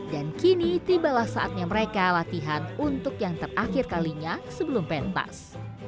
dan kini tibalah saatnya mereka latihan untuk yang terakhir kalinya sebelum pentas